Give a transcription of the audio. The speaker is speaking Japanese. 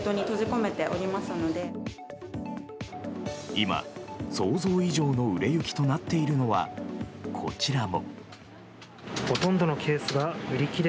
今、想像以上の売れ行きとなっているのはこちらも。